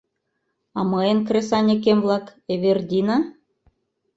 — А мыйын кресаньыкем-влак, Эвердина?